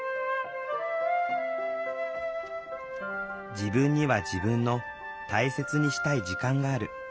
「自分には自分の大切にしたい時間がある」。